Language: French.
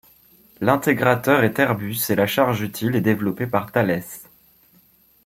L'intégrateur est Airbus et la charge utile est développée par Thalès.